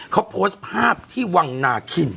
เขาโพสต์ภาพที่วังนาคิน